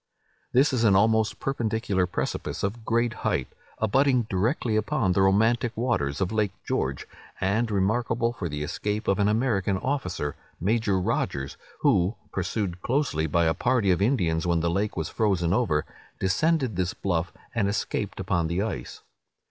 This is an almost perpendicular precipice of great height, abutting directly upon the romantic waters of Lake George, and remarkable for the escape of an American officer, Major Rogers, who, pursued closely by a party of Indians when the lake was frozen over, descended this bluff, and escaped upon the ice.